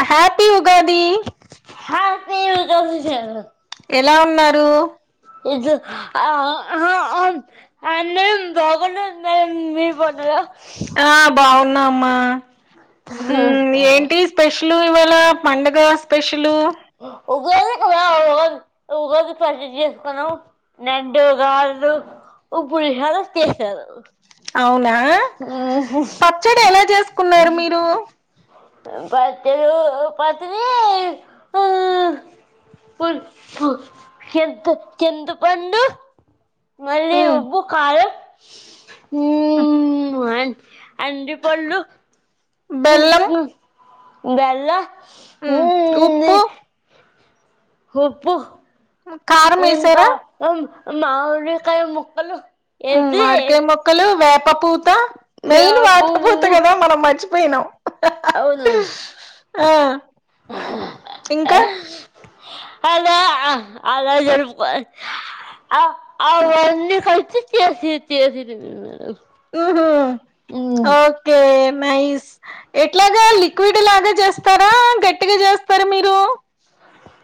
అ happy Ugadi హ తీ కసి చె ఎలా ఉన్నారు ఇద్ అఅఆ అహ హమ్ అందరం బాగున్నాం నేమ్ మీర్ బావున్నార నామ్మ ఏంటి స్పెషల్ లు ఇవాళ పండగాస్ స్పెషలు ఉగాది కదా ఉగాది ఉగాది పచ్చడి చేసుకున్నాం నెండు గార్లు ఉ పులిహార చేసారు. అవును నా పచ్చడి ఎలా చేసుకున్నారు మీరు పచ్చడో పచ్చడీ ఆహ్వా పు పు చింత చింతపండు మళ్ళీ మ్, ఉబ్బు కారం ఉమ్ ఆ వాయ్ అండీ పళ్ళు బెల్లం ఇంట్నాన్ బెల్లం హ్మ్ ఉప్పు హోప్పు కారం మేసేర మావిడికాయ ముక్కలు వేసి మావిడికాయ ముక్కలు వేప పప్పు త మెయిన్ వేపు వాడకపోతే పువ్వు కదా మనం మర్చి పోయినం అవును ఇంకా అదా అలా జరుపుకోవలి అ అవన్ని కల్చి చేసి చేసి ఊహు ఓకే నైస్ ఎట్లాగా లిక్విడ్ లాగా చేస్తారా గట్టిగా చేస్తారా మీరు.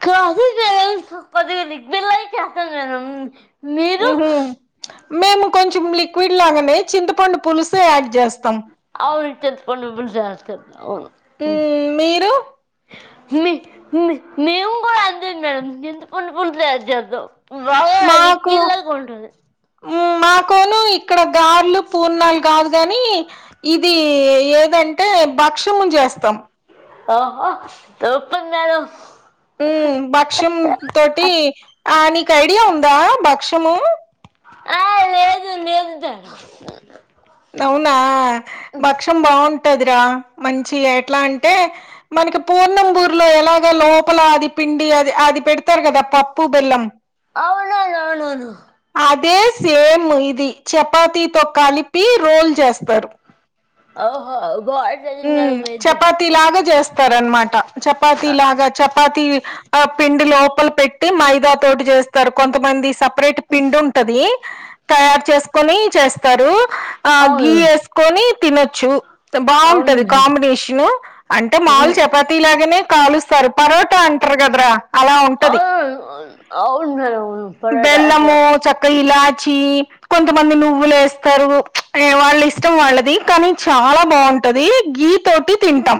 కాదు గ్యాస్ కొద్దిగా లిక్విడ్ లాగే చేస్తాన్ నేను మీరు ఉహు మేము కొంచెం లిక్విడ్ లాగానే చింతపండు పులుసే యాడ్ జస్. అవు [unintelligible] ఊమ్ మీరు మె మె మేము గూడా అదే మేడం చింత పండు పులుసే [unintelligible] వి వాగా లిక్విడ్లాగ ఉంటది మా కోను ఇక్కడ గార్లు పూర్ణాలు కాదు కానీ ఇది ఏదంటే భక్ష్యము చేస్తాం ఓహో తూపర్ మేడం ఊమ్ భక్ష్యం తోటి ఆ నీకు ఐడియా ఉందా భక్ష్యము ఆ లేదు లేదు దర అవునా భక్షం బావుం టదిరా మంచిగ ఎట్లా అంటే మనకి పూర్ణం బూర్ లో ఎలాగ లోపల అది పిండి అది అది పెడుతారు గదా పప్పు బెల్లం అవునవునవును అదే సేమ్ ఇది చపాతీతో కలి పి రోల్ చేస్తారు ఓహో బాగా చదివింది ఊమ్ మేడం అయితే చపాతి లాగా చేస్తారనమాట చపాతి ఆ, లాగా చ పతీ ఆ పిండి లోపల పెట్టి మైదా తోటి చేస్తారు కొంతమంది స పరేట్ పిండి ఉంటది తయారు చేసుకొని చేస్తారు ఆ గీ అవును ఏసుకొని తినొచ్చు అవును బాగుంటది మేడం కాంబినేషను అంటే మౌలు ఉమ్, చపాతీలె ఆగనే కాలుస్తారు పరోటా అంటరు గదరా అవు అవునవును పరాట అచ ఛీ కొంతమంది నువ్వులు ఏస్తారు ఏ వాళ్ళ ఇష్టం వాళ్ళది కానీ చాలా బాగుంటది గీ తోటి తింటం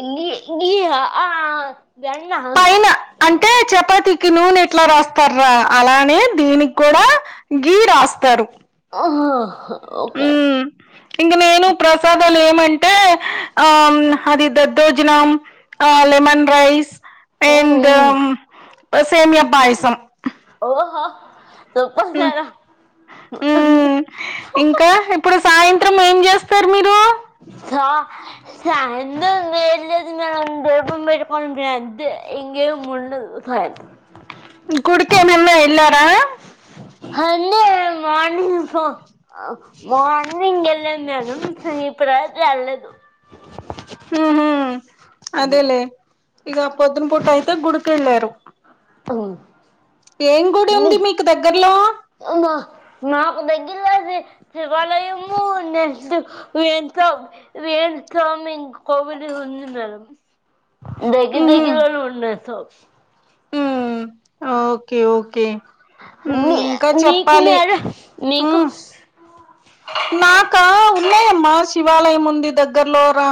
ఇంగి గీయా ఆ ఆ పైన అంటే చపాతికి నూనె ఎట్లా రాస్తారు అ అలానే దీనిగ్గూడా గీ రాస్తారు ఒహోహొ ఊమ్ ఇంగ నేను ప్రసాద్ లలు ఏమంటే ఆమ్ అది దద్దోజనం ఆ లెమన్ రైస్ ఊ అండ్ ఊమ్ సేమియా పాయసం ఓహో సుప్పర్ ఉమ్, సారా ఉమ్, త్రం ఏం చేస్తారు మీరు స స వేళదిన్నా ఉ ఇ మరు కొ ఎంత ఎ ము స కుడుకేనల ఎలా అడి మార్నింగ్తో మ గెళ్ళందను సీపు రా లే అలేదు హ హ అదేలే ఇక పోధున పుటయి గుడికెళ్ళారు పో ఏం గుడి ఉంది మీకు దగ్గర్లో మా మాకు దగ్గరలో శివాలయము న వస్మిం కోబడి ఉంది దగి ఉహు దకిళ్ళు ఉండ స ఓకే ఓకే ఉమ్ మీ ఇంకా నీకు చెప్పాలి నరు నీకు ఉమ్ దివాలయం ఉంది దగ్గరలో రా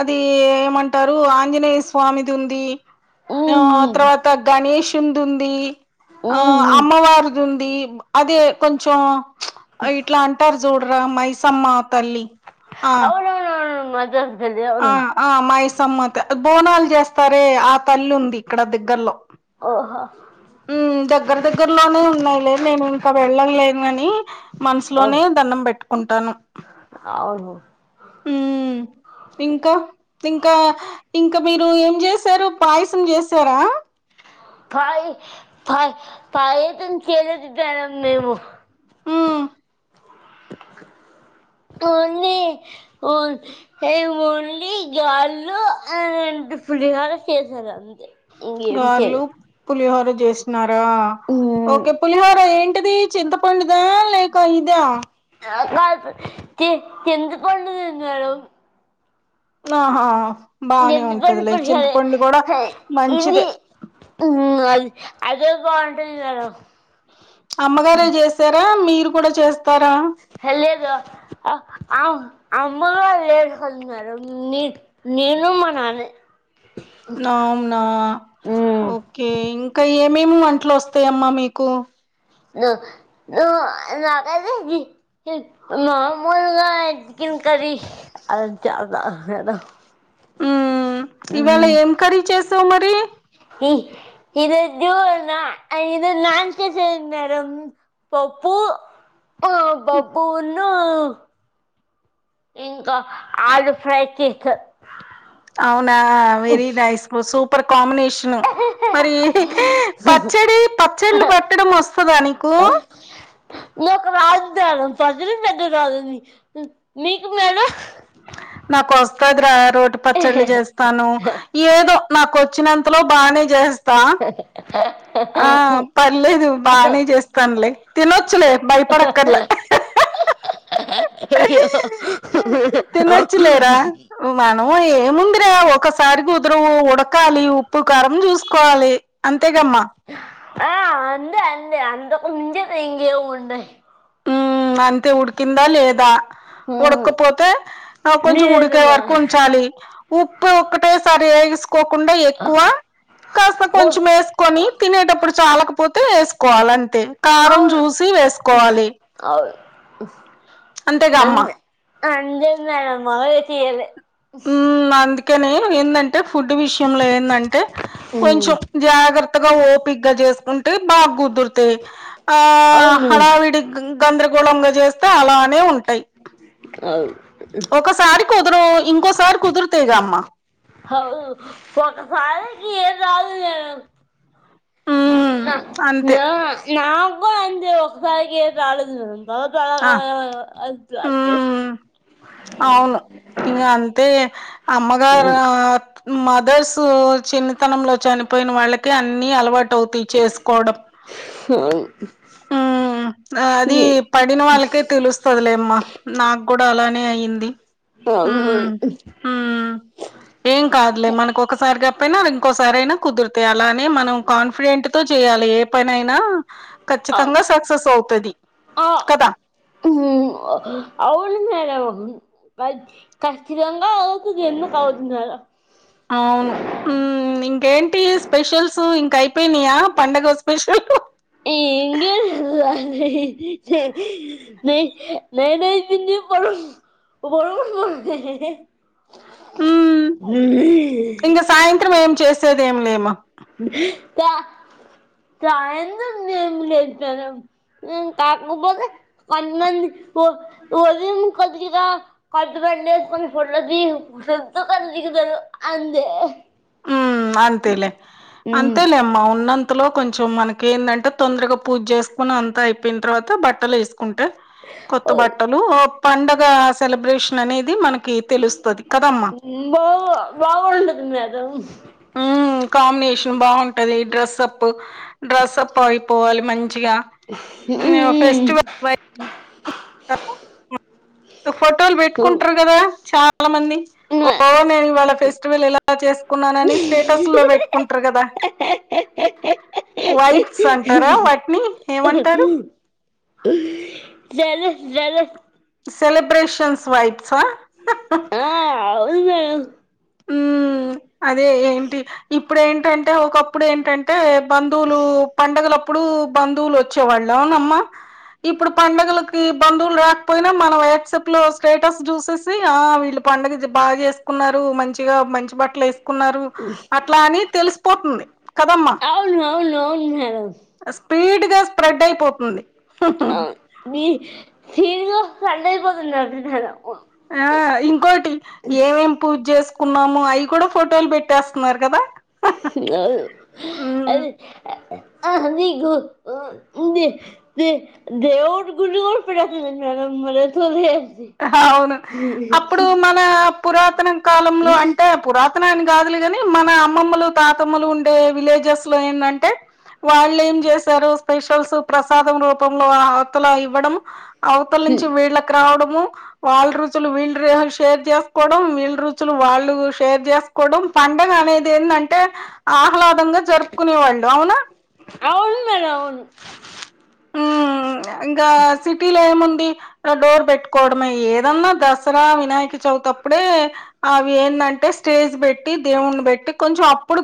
అది ఏమంటారు ఆంజనేయ స్వామిది ఉంది ఆ మ్మ్. తర్వాత గణేష్ చుందుంది ఆ మ్మ్. అమ్మవారు ఉంది అదే కొంచెం ఇట్లా అంటారు మైసమ్మా తల్లి ఆ అవున అవునువును [unintelligible] ఆ ఆ మై సమ్మత బోనాలు చేస్తారే ఆ తల్లి ఉంది ఇక్కడ దగ్గర్లో ఓహో ఉమ్ దగ్గర దగ్గరలోనే ఉన్నాయిలే నేను ఇంకా వెళ్ళలేను అని మనసులోనే అవును దండం పెట్టుకుంటాను అవును ఇంకా ఇంకా ఇంకా మీరు ఏం చేసారు పాయసం చేసారా పై పై పై పాయసం చేలేదుద్దరాం మేము ఆ ఓన్లీ ఒన్ మేము ఓన్లీ గారెలు అండ్ పులిహార చేశారు ఇంకేం గార్లు చేయలేదు పులిహోర చేస్తున్నారా ఉమ్, ఓకే పులిహోర ఏంటిది చింతపండుదా లే క ఇద కాదు చింతపండుదే మేడం ఆహా బానే చింతపండు ఉంటదిలే పులిహారే చింతపండు కూడా ఇది మంచిదే అది అదే భావుంటది మేడం అమ్మగారే చేసరా మీరు కూడా చేస్త హ లేదు అవు అమ్మగారు లేరు కదా మేడం నీ నేను మా నాన్నే అవునా ను ఓకే ఇంకా ఏం మేము వంట్లోస్తాయమ్మా మీకు నాకైతే మా మామూలుగా చికెన్ కర్రీ అలాంటివి రావు మేడమ్ ఉ ఇవాళ ఏం కరీ చేసి వ్ మరి ఈ ఈరోజు ఇది నన్నచేశారు మేడం పప్పు పప్పున్ను ఇంకా ఆలు ఫ్రైడ్ చేసారు అవునా వెరీ నైస్ ను సూప్ పర్ కాంబినేషన్ మరి చేసారు పచ్చడి పచ్చళ్ళు పట్టడం వస్తదా నీకు ప్రజలు పెగద్ద రాలంది మీకు మేడం నాకు వస్తుది రా రోటి పచ్చళ్ళ చేస్తాను ఏదో నాకు వచ్చినంతలో బాగానే ఆ పర్లేదు బాగానే చేస్తానులే తినొచ్చులే భయపడక్కర్లే అయ్యో తినొచ్చులేరా మా ఏముందిరా ఒకసారి కుదరవు ఉడకాలి ఉప్పు కారం చూసుకోవాలి అంతేగమ్మా ఆ అందు అందు అంత ముజ మేంగ్యవు ఉండ ఉ అంతే ఉడికిందా లేదా ఉమ్ ఉడకపోతే నాకు కొంచెం ఉడికే నిజమా వరకు ఉంచాలి ఉప్పు ఒకటే సారి కోకుండా ఎక్కువ కాస్త ఓ కొంచెం వేసుకొని తినేటప్పుడు చాలా పోతే స్కల్ అంట కారం చూసి వేసుకోవాలి అవు అంతేగామ్మ అజేన్నా మగాగా చేయాల ఉహ్ ఏందంటడి ఫుడ్ విషంటే కొ జా పిగగా చేసుకుంటే బాగా కుదురుతాది ఆ అవును హడావిడి గందరగోళంగా చేస్తే అలానే ఉంటాయి అవును ఒకసారి కుదరవు ఇంకోసారి కుదురుతేగా అమ్మా హా ఒకసారికి ఎం రాదు హ్మ్ అంతే నా నా కూడా అంతే ఒకసారికే ఏం రాలేదు న త ఆ అతు చెస్ హ్మ్ అమ్మగరా మదర్స్ చిన్నతనంలో చనిపోయిన వాళ్ళకే అన్ని అలవాటు టు చేసుకోవడం మ్మ్ అది పడిన వాళ్ళకే తెలుస్తుందిలేమ్మ నాకు కూడా అలానే అయింది మ్మ్ మ్మ్ ఏం కాదులే మనకు ఒకసారిగా ఎప్పుడైనా ఇంకోసారి అయినా కుదురుతాయ్ అలా అని మనం కాన్ఫిడెంట్ తో చేయాలి. ఏ పనైనా ఖచ్చితంగా సక్సెస్ అవుతది ఆ కదా హ్మ్ అవును హలో ఖచ్చితంగా అవుతాది ఎందుకు అవుతుంది కథ అవును మ్మ్ ఇంకేం ఇవి స్పెషల్స్ ఇంకా ఐ పోయినయ పండగ స్పెషల్ ఇంగ నేనేసింది. పడు పడు మ్మ్ ఇంక సాయంత్రం ఏం చేసేదేమి లేమ్మ ద సాయంత్రం ఏమ్ చేస్తారు. కాకపోతే కొంతమంది ఉదయం కొద్దిగా కొత్తబట్టలు వేసుకొని ఫోటో లు దిగుతారు అంతే మ్మ్ అంతేలే అంతే లేమ్మా ఉన్నంత బట్టలో కొంచెం మనకి ఏందంటే తొందరగా పూజ చేసుకునే అంతా అయిపోయిన తర్వాత బట్టలు వేసుకుని ఉంటే కొత్త బట్టలు ఓ పండగ సెలబ్రేషన్ అనేది మనకి తెలుస్తది కదమ్మా బాగు బాగుంటది మేడమ్ [inaudible] ఉమ్ కాంబినేషన్ బాగుంటది డ్రెస్అప్ ప్ డ్రెస్ అప్ ఐ పోవాలి మం చీగా ఫెస్టివల్ [inaudible] ఫోటోలు పెట్టుకుంటారు కదా చా చాలా మంది ఓ నేను ఇవాళ ఫెస్టివల్ ఇలా చేస్ కున్నానని స్టేటస్ లో పెట్టుకుంటారు కదా వైబ్స్ అంటారా వాటిని ఏమంటారు? Jealous jealous celebrations vibes వా ఆ అవును మేడం హ్మ్ అదే ఏంటి ఇ ఇప్పుడు ఏంటంటే ఒకప్పుడు ఏంటంటే బంధువులు పండుగలప్ ప్పుడు బంధువులు వచ్చేవాళ్లు అవునమ్మ ఇప్పుడు పండుగలకి బందువులు రాకపోయినా మన వాట్స్ అప్ లో స్టేటస్ చూసేసి ఆ వీళ్లు పండగ బాగా చేసుకున్నారు మంచి గా మంచి బట్టలు ఏస్ కున్నారు అట్లా అని తెలిసిపోతుంది కదమ్మా. అవును అవును అవును మేడం అస్ స్పీడ్ గా స్ప్రెడ్ అయిపోతుంది. ఆ మీ [unintelligible] సండే అయిపోతుంది [unintelligible] మేడం ఆ ఇంకోటి ఏమ్ పూజ చేసు కున్నాము అయి కూడా ఫోటోలు పెట్టేస్తున్నారు కదా. అవును ఉమ్ అది అ అది గు ఉ ఉంది దే దేవుడి గుడి కుడా పెట్టె [unintelligible] అవును అప్పుడు మన పురాతనం కాలంలో అంటే పురాతనానికి కాదులే కాని మన అమ్మమ్మలు తాతమ్మలు ఉండే విలేజెస్ లో ఏందంటే వాళ్ళు ఏం చేసారు స్పెషల్స్ ప్రసాదం రూపంలో అవతలా ఇవ్వడం అవతల నుంచి వీళ్ళకి రావడం మ్మ్ వాళ్ళ రుచులు వీళ్ళు షేర్ చేసుకోవడం వీళ్ళ రుచులు వాళ్ళు షేర్ చేసు కొడం పండగ అనేది ఏంటంటే ఆహ్లాదంగా జరుపుకునే వాళ్ళు అవునా అవును మేడం అవును ఊ ఇంకా సిటీలో ఏమున్ డి రా డోర్ పెట్టుకోవడమే ఏదన్నా దసరా వినాయక చవితప్పుడే అవి ఏందంటే స్టేజ్ పెట్ ట్టి దేవుడ్ని పెట్టి కొంచెం అప్పుడు